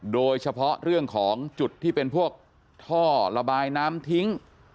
โดยเฉพาะเรื่องของจุดที่เป็นพวกท่อระบายน้ำทิ้ง